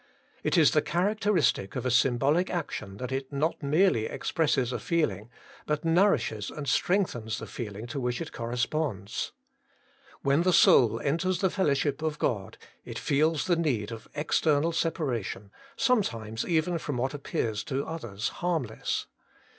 It is the characteristic of a symbolic action that it not merely expresses a feeling, but nourishes and strengthens the feeling to which it corresponds. When the soul enters the fellowship of God, it feels the need of external separation, sometimes even from what appears to others harmless.